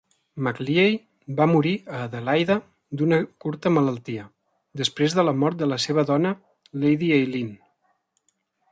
McLeay va morir a Adelaida d'una curta malaltia, després de la mort de la seva dona, Lady Eileen.